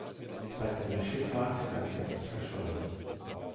Seit einer Schifffahrt galt er als verschollen.